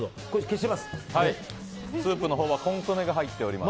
スープのほうはコンソメが入ってます。